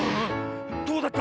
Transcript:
どうだった？